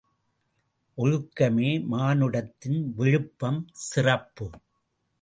ஒழுக்கமே மானுடத்தின் விழுப்பம் சிறப்பு.